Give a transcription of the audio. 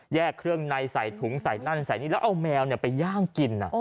เครื่องในใส่ถุงใส่นั่นใส่นี่แล้วเอาแมวไปย่างกิน